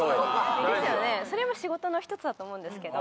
ですよねそれも仕事の１つだと思うんですけど。